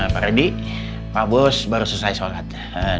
pak reddy pak bos baru selesai sholatnya